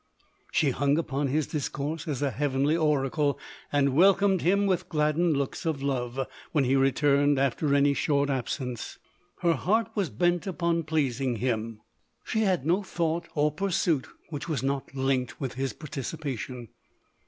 She hung upon his discourse as a heavenly oracle, and welcomed him with gladdened looks of love, when he returned after any short absence. Her heart was bent upon pleasing him, she had no 236 LODORE. thought or pursuit which was not linked with his participation.